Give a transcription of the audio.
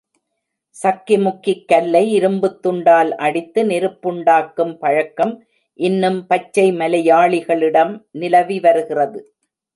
சக்கிமுக்கிக் கல்லை இரும்புத்துண்டால் அடித்து நெருப்புண்டாக்கும் பழக்கம் இன்னும் பச்சை மலையாளிகளிடம் நிலவி வருகிறது.